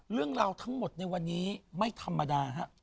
เรื่องราวทั้งหมดในวันนี้ไม่ธรรมดาฮะ